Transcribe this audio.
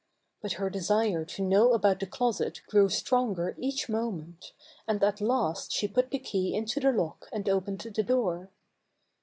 But her desire to know about the closet grew stronger each moment, and at last she put the key into the lock and opened the door.